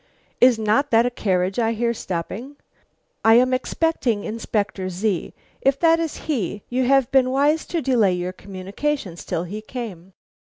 Is not that a carriage I hear stopping? I am expecting Inspector Z . If that is he you have been wise to delay your communications till he came."